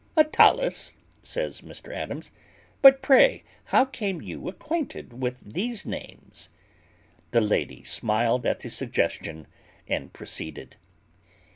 "Attalus," says Mr. Adams: "but pray how came you acquainted with these names?" The lady smiled at the question, and proceeded.